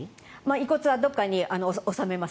遺骨はどこかに納めます。